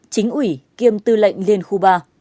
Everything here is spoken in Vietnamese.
chính ủy kiêm tư lệnh liên khu ba